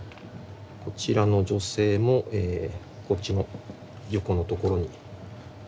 こちらの女性もこっちの横のところに描かれてますね。